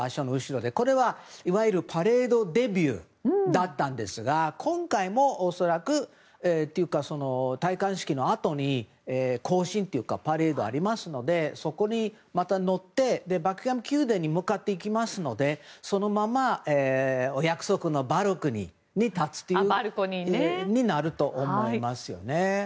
これがいわゆるパレードデビューだったんですが今回も恐らくというか戴冠式のあとに行進というかパレード、ありますのでそこにまた乗ってバッキンガム宮殿に向かっていきますのでそのままお約束のバルコニーに立つということになると思いますよね。